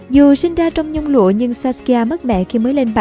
dù sinh ra trong nhung lụa nhưng saskia mất mẹ khi mới lên bà